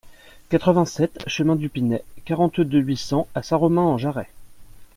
quatre-vingt-sept chemin du Pinay, quarante-deux, huit cents à Saint-Romain-en-Jarez